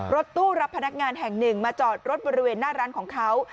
รถตู้รับพนักงานแห่งหนึ่งมาจอดรถบริเวณหน้าร้านของเขา